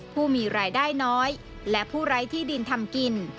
ผู้มีรายได้น้อยและผู้ไร้ที่ดินทำกิน